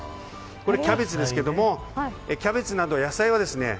これキャベツですけどもキャベツなど野菜はですね